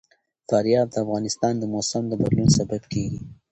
فاریاب د افغانستان د موسم د بدلون سبب کېږي.